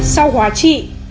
sau hóa trị